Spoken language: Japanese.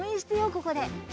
ここで。